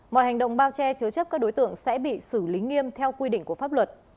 mọi hành động bao che chứa chấp các đối tượng sẽ bị xử lý nghiêm theo quy định của pháp luật